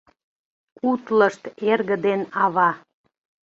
Утлышт эрге ден ава